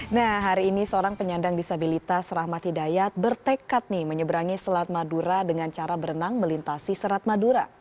nah hari ini seorang penyandang disabilitas rahmat hidayat bertekad nih menyeberangi selat madura dengan cara berenang melintasi serat madura